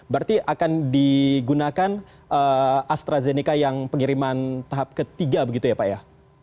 berarti akan digunakan astrazeneca yang pengiriman tahap ketiga begitu ya pak ya